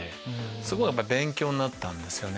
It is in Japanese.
すごい勉強になったんですよね。